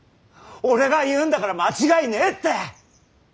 俺が言うんだから間違いねえって。